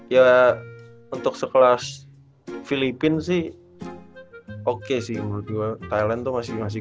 ya untuk sekelas filipin sih oke sih thailand masih masih